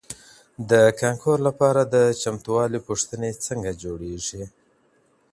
د کانکور لپاره د چمتووالي پوښتنې څنګه جوړیږي؟